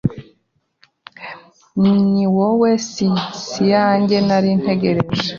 Ni wowe si yanjye narintegereje,